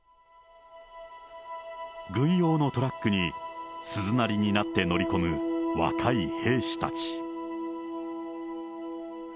軍用のトラックに鈴なりになって乗り込む若い兵士たち。